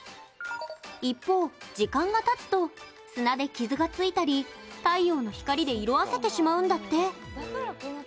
一方、時間がたつと砂で傷がついたり、太陽の光で色あせてしまうんだって。